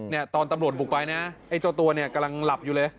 เนี่ยตอนตำรวจบุกไปนะไอ้เจ้าตัวเนี่ยกำลังหลับอยู่เลย